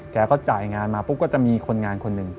แกก็จ่ายงานมาปุ๊บก็จะมีคนงานคนหนึ่ง